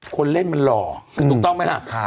คนเล่นมันหล่อถูกต้องไหมล่ะ